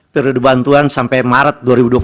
periode bantuan sampai maret dua ribu dua puluh